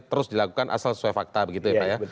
terus dilakukan asal sesuai fakta begitu ya pak ya